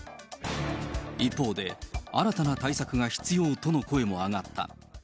一方で、新たな対策が必要との声も上がった。